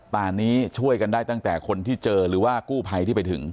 ป่านนี้ช่วยกันได้ตั้งแต่คนที่เจอหรือว่ากู้ภัยที่ไปถึง